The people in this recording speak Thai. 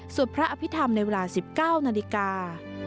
สวดพระอภิษฐรรมในเวลา๑๙นาฬิกา